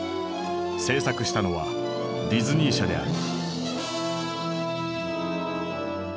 制作したのはディズニー社である。